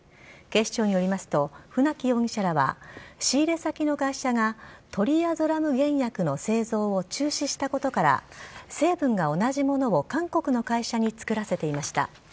警視庁によりますと船木容疑者らは仕入れ先の会社がトリアゾラム原薬の製造を中止したことから成分が同じものを韓国の会社に作らせていました。